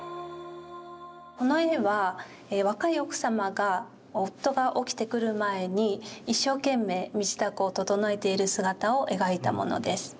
この絵は若い奥様が夫が起きてくる前に一生懸命身支度を整えている姿を描いたものです。